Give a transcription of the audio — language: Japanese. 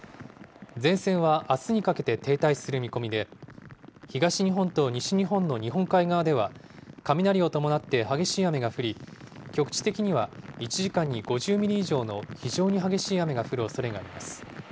前線はあすにかけて停滞する見込みで、東日本と西日本の日本海側では、雷を伴って激しい雨が降り、局地的には１時間に５０ミリ以上の非常に激しい雨が降るおそれがあります。